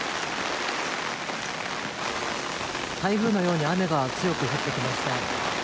台風のように雨が強く降ってきました。